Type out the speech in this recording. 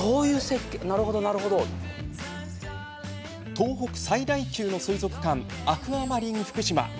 東北最大級の水族館アクアマリンふくしま。